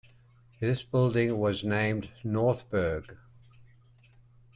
This building was named "Northburg".